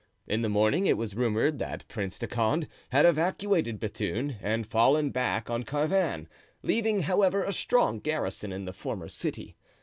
In the morning it was rumored that Prince de Condé had evacuated Bethune and fallen back on Carvin, leaving, however, a strong garrison in the former city.